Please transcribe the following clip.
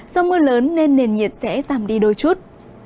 do mưa lớn nên nền nhiệt sẽ giảm đi đôi chút